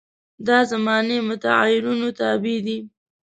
دا زماني متغیرونو تابع دي.